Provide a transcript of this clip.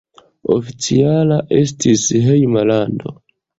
Oficiala estis hejma lando.